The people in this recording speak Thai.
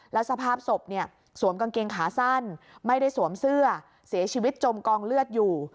แล้วสภาพศพเนี่ยสวมกางเกงขาสั้นไม่ได้สวมเสื้อเสียชีวิตจมกองเลือดอยู่